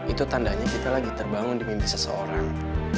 itu tandanya kita lagi terbangun di mimpi seseorang